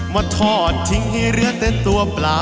มาทอดทิ้งให้เหลือแต่ตัวเปล่า